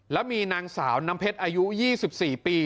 แล้วมีนางสาวน้ำเพชรอายุ๒๔ปี